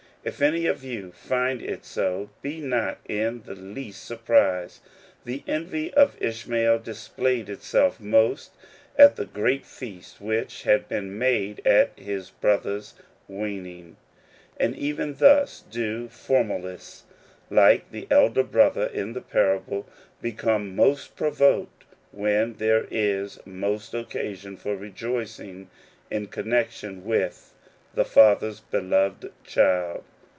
If any of you find it so, be not in the least surprised. The envy of Ishmael displayed itself most at the great feast which had been made at his brother's weaning; and even thus do formalists, like the elder brother in the parable, become most provoked when there is most occasion for rejoicing in connec tion with the Father's beloved child.